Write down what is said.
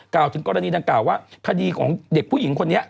ถึงกรณีดังกล่าวว่าคดีของเด็กผู้หญิงคนนี้